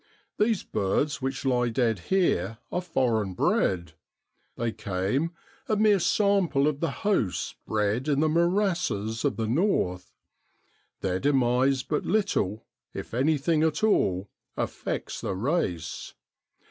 These birds which lie dead here are foreign bred. They came, a mere sample of the hosts bred in the morasses of the north; their demise but little, if anything at all, affects the race.